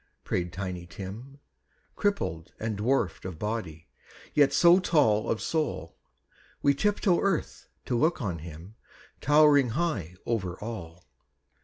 " prayed Tiny Tim, Crippled, and dwarfed of body, yet so tall Of soul, we tiptoe earth to look on him, High towering over all.